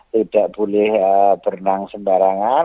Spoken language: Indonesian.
tidak boleh berenang sembarangan